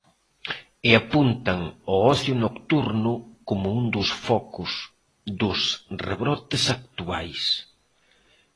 E apuntan ao ocio nocturno como un dos focos dos rebrotes actuais.